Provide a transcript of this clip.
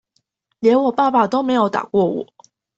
連我爸爸都沒有打過我